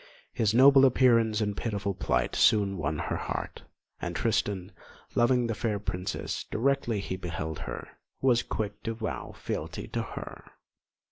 His noble appearance and pitiful plight soon won her heart, and Tristan, loving the fair princess directly he beheld her, was quick to vow fealty to her.